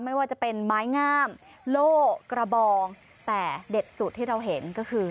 ไม่ว่าจะเป็นไม้งามโล่กระบองแต่เด็ดสุดที่เราเห็นก็คือ